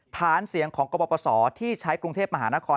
ฐานเสียงของกรปศที่ใช้กรุงเทพมหานคร